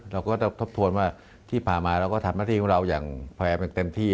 เราก็จะทบทวนว่าที่พามาเราก็ทำหน้าที่ของเราอย่างแผนเป็นเต็มที่